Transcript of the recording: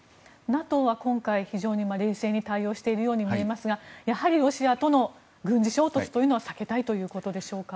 ＮＡＴＯは今回非常に冷静に対応しているように見えますがやはりロシアとの軍事衝突は避けたいということでしょうか。